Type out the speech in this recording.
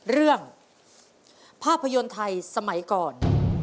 เรื่องภาพยนตร์ไทยสมัยก่อน